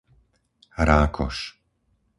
Rákoš